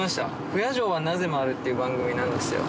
「不夜城はなぜ回る」っていう番組なんですよ